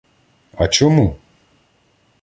— А чому?